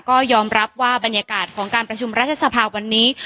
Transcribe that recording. ก็ยอมรับว่าบรรยากาศของการประชุมรัฐสภาวันนี้